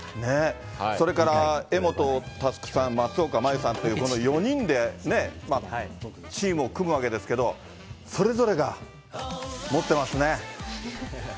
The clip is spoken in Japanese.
それから、柄本佑さん、松岡茉優さんという、この４人でね、チームを組むわけですけれども、それぞれが持ってますね。